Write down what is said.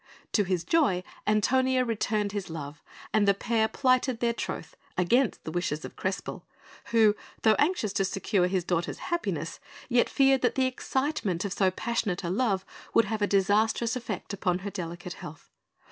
To his joy, Antonia returned his love; and the pair plighted their troth, against the wishes of Crespel, who, though anxious to secure his daughter's happiness, yet feared that the excitement of so passionate a love would have a disastrous effect upon her delicate health.